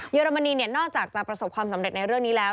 อรมนีนอกจากจะประสบความสำเร็จในเรื่องนี้แล้ว